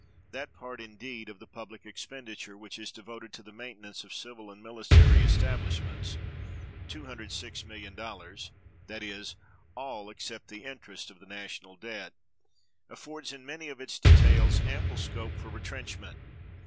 That part, indeed, of the public expenditure which is devoted to the maintenance of civil and military establishments [$206,000,000] (that is, all except the interest of the national debt), affords, in many of its details, ample scope for retrenchment.